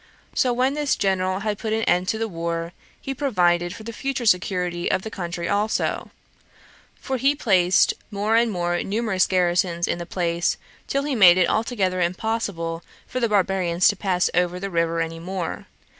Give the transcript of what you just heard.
So when this general had put an end to the war, he provided for the future security of the country also; for he placed more and more numerous garrisons in the place, till he made it altogether impossible for the barbarians to pass over the river any more.